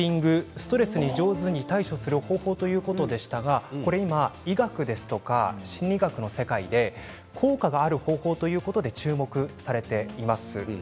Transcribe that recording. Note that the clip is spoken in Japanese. ストレスに上手に対処する方法ということですが医学や心理学の世界で効果がある方法ということで注目されています。